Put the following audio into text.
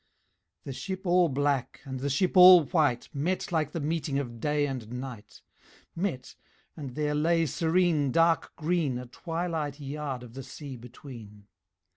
The ship all black and the ship all white Met like the meeting of day and night, Met, and there lay serene dark green A twilight yard of the sea between.